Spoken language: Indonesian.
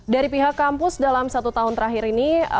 dari pihak kampus dalam satu tahun terakhir ini